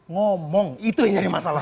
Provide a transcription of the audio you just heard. ngomong itu yang jadi masalah